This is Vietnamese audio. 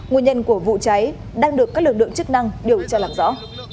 nguyên nhân của vụ cháy đang được các lực lượng chức năng điều tra làm rõ